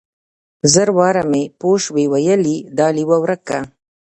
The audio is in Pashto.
زر واره مې پوشوې ويلي دا ليوه ورک که.